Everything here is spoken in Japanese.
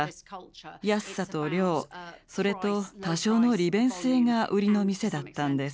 安さと量それと多少の利便性が売りの店だったんです。